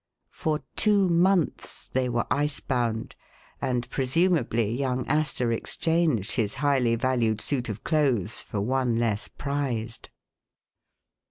For two months they were ice bound, and presumably young Astor exchanged his highly valued suit of clothes for one less prized.